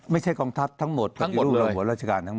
ไม่ใช่กองทัพทั้งหมดปฏิรูประบบราชการทั้งหมด